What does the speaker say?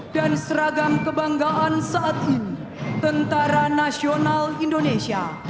dan seragam kebanggaan saat ini tentara nasional indonesia